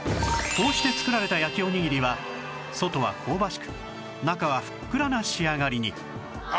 こうして作られた焼おにぎりは外は香ばしく中はふっくらな仕上がりに